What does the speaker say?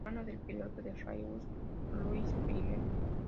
Hermano del piloto de rallyes Luis Climent.